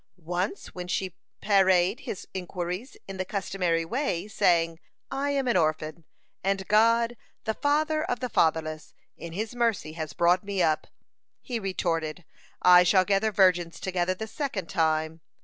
Once when she parried his inquiries in the customary way, saying, "I am an orphan, and God, the Father of the fatherless, in His mercy, has brought me up," he retorted: I shall gather virgins together the second time."